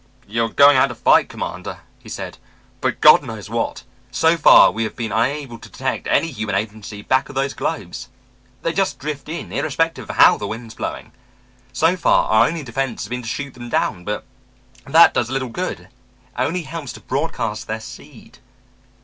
"You're going out to fight, Commander," he said, "but God knows what. So far we have been unable to detect any human agency back of those globes. They just drift in, irrespective of how the wind is blowing. So far our only defense has been to shoot them down, but that does little good; it only helps to broadcast their seed.